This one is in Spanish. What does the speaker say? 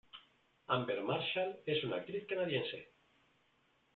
Amber Marshall es una actriz canadiense.